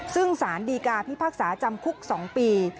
ซึ่งสารดีกาพิพากษาจำคุก๒ปี